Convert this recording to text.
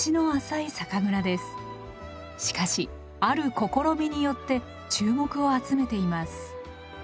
しかしある試みによって注目を集めています。